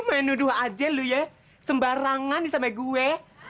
eh main nuduh aja lu ya sembarangan nih sama gue